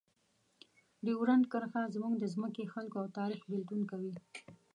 ډیورنډ کرښه زموږ د ځمکې، خلکو او تاریخ بېلتون کوي.